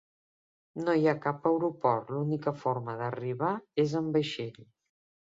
No hi ha cap aeroport; l'única forma d'arribar es amb vaixell.